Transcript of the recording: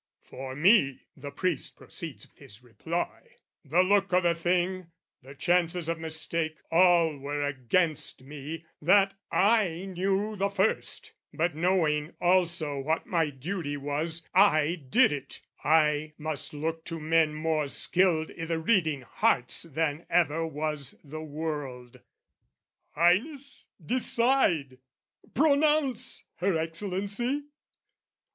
"For me," the priest proceeds with his reply, "The look o' the thing, the chances of mistake, "All were against me, that, I knew the first: "But, knowing also what my duty was, "I did it: I must look to men more skilled "I' the reading hearts than ever was the world." Highness, decide! Pronounce, Her Excellency!